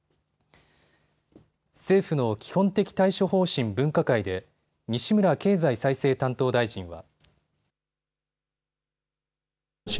政府の基本的対処方針分科会で西村経済再生担当大臣は。